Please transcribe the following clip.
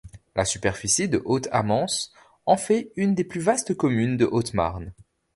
La superficie de Haute-Amance en fait une des plus vastes communes de Haute-Marne.